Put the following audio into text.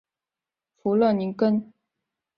弗勒宁根。